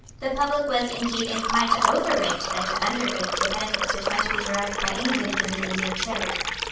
The public was, indeed, inclined rather to overrate than to underrate the benefits which might be derived by England from the Indian trade.